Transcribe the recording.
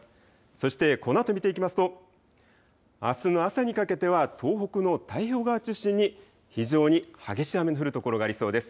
そしてこのあと見ていきますとあすの朝にかけては東北の太平洋側中心に非常に激しい雨の降る所がありそうです。